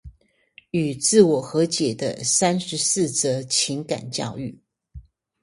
與自我和解的三十四則情感教育